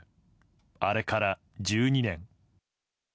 あれから１２年。